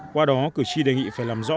qua đó cử tri đề nghị phải làm rõ